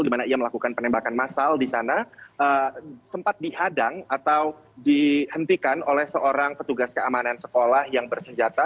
di mana ia melakukan penembakan masal di sana sempat dihadang atau dihentikan oleh seorang petugas keamanan sekolah yang bersenjata